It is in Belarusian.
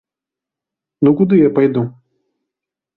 Ну куды я пайду?